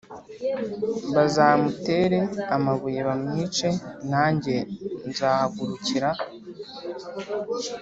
bazamutere amabuye bamwice Nanjye nzahagurukira